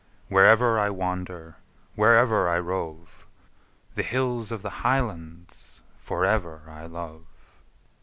Wherever I wander, wherever I roam, The hills of the Highlands for ever I love.